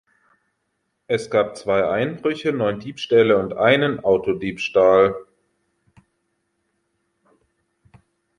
Es gab zwei Einbrüche, neun Diebstähle und einen Autodiebstahl.